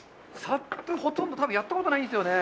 ＳＵＰ、ほとんど多分やったことないんですよね。